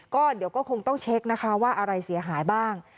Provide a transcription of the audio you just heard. ก็เดี๋ยวก็คงต้องเช็คนะคะว่าอะไรเสียหายบ้าง